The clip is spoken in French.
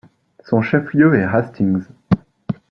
Son chef-lieu est Hastings.